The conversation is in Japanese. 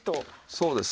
そうです。